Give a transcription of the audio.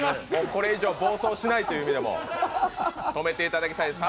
これ以上暴走しないという意味でも、止めていただきたいです。